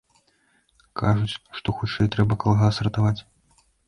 Кажуць, што хутчэй трэба калгас ратаваць.